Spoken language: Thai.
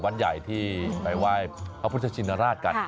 วัดใหญ่ที่ไปไหว้พระพุทธชินราชกัน